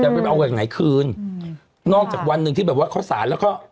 ไปเอาจากไหนคืนอืมนอกจากวันหนึ่งที่แบบว่าเข้าสารแล้วก็